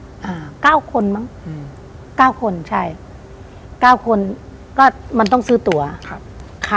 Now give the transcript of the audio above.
อ่าเก้าคนมั้งอืมเก้าคนใช่เก้าคนก็มันต้องซื้อตัวครับค่ะ